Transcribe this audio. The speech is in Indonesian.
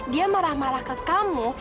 dia marah marah ke kamu